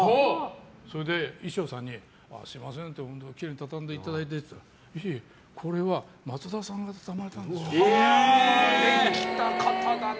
それで、衣装さんにすみません、きれいに畳んでいただいてって言ったらいえいえ、これは松田さんができた方だな。